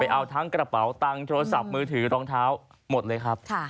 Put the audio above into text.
เอาทั้งกระเป๋าตังค์โทรศัพท์มือถือรองเท้าหมดเลยครับ